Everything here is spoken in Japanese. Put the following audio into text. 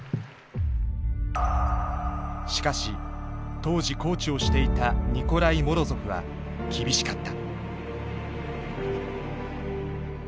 しかし当時コーチをしていたニコライ・モロゾフは厳しかった。